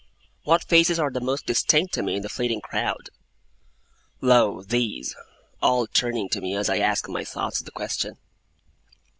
What faces are the most distinct to me in the fleeting crowd? Lo, these; all turning to me as I ask my thoughts the question!